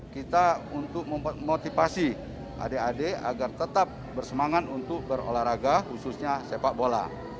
kita untuk memotivasi adik adik agar tetap bersemangat untuk berolahraga khususnya sepak bola